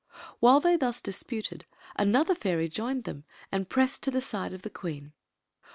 While they thus dssfnited, another feiry joined them and pressed to the side of the queen.